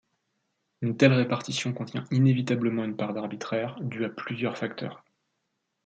Une telle répartition contient inévitablement une part d'arbitraire, dû à plusieurs facteurs.